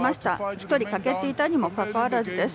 １人欠けていたにもかかわらずです。